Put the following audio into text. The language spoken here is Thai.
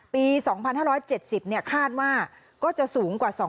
ปี๒๕๗๐เนี่ยคาดว่าก็จะสูงกว่า๒๕๐๐๐๐๐คน